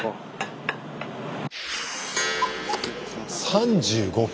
３５分！